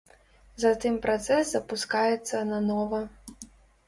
Затым працэс запускаецца нанова.